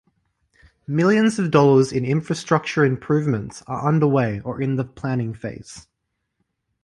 Millions of dollars in infrastructure improvements are underway or in the planning phase.